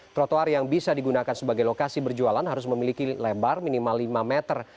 trotoar yang bisa digunakan sebagai lokasi berjualan harus memiliki lebar minimal lima meter